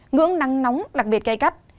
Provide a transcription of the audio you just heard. ngưỡng nắng nóng đặc biệt cay cắt